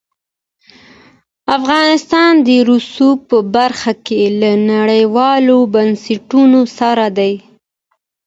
افغانستان د رسوب په برخه کې له نړیوالو بنسټونو سره دی.